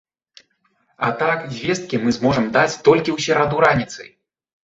А так звесткі мы зможам даць толькі ў сераду раніцай.